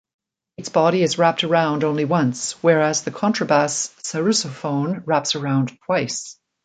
Its body is wrapped around only once, whereas the contrabass sarrusophone wraps around twice.